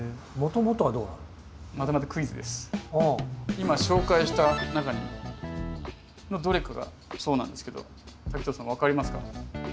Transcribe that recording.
今紹介した中のどれかがそうなんですけど滝藤さん分かりますか？